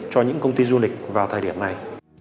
cho những công ty du lịch vào thời điểm này